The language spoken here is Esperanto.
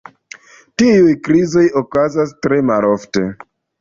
Tiuj krizoj okazas tre malofte.